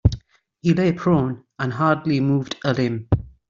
He lay prone and hardly moved a limb.